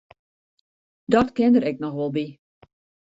Dat kin der ek noch wol by.